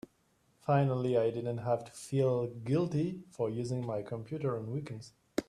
Finally I didn't have to feel guilty for using my computer on weekends.